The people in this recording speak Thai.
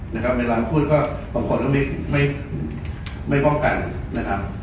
เวลาพูดก็บางคนก็ไม่ไม่ป้องกันนะครับ